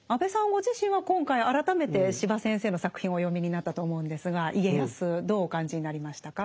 ご自身は今回改めて司馬先生の作品をお読みになったと思うんですが家康どうお感じになりましたか？